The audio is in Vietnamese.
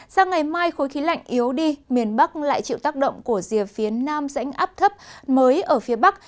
sang ngày mai khối khí lạnh yếu đi miền bắc lại chịu tác động của rìa phía nam dãnh áp thấp mới ở phía bắc